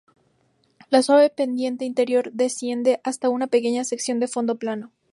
La suave pendiente interior desciende hasta una pequeña sección de fondo plano.